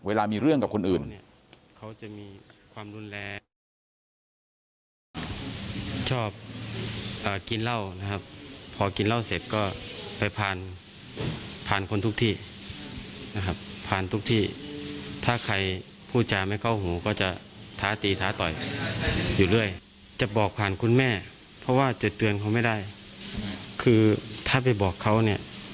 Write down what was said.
เวลามีเรื่องกับคนอื่นเนี่ย